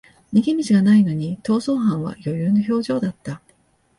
逃げ道がないのに逃走犯は余裕の表情だった